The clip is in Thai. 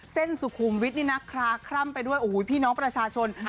เส้นสุขุมวิทย์นี้นะคราคลั่มไปด้วยพี่น้องประชาชน